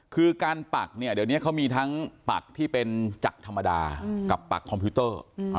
คือการปักเนี่ยเดี๋ยวนี้เขามีทั้งปักที่เป็นจักรธรรมดากับปักคอมพิวเตอร์